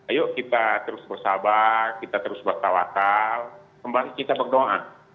ayo kita terus bersabar kita terus bertawakal kembali kita berdoa